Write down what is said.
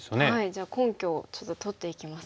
じゃあ根拠をちょっと取っていきますか。